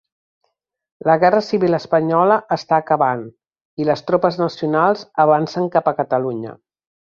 La Guerra Civil Espanyola està acabant, i les tropes nacionals avancen cap a Catalunya.